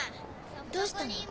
どうしたの？